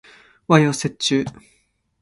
和洋折衷